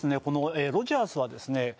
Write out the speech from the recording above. このロヂャースはですね